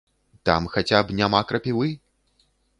Там хаця б няма крапівы.